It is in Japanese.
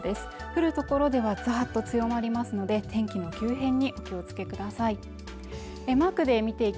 降るところではざっと強まりますので天気の急変にお気をつけください